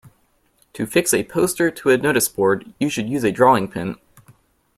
To fix a poster to a noticeboard you should use a drawing pin